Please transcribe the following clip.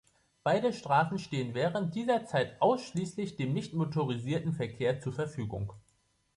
Beide Straßen stehen während dieser Zeit ausschließlich dem nichtmotorisierten Verkehr zur Verfügung.